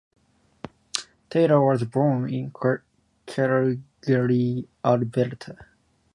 Taylor was born in Calgary, Alberta.